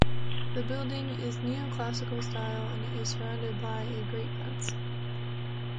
The building is Neoclassical style and it is surrounded by a great fence.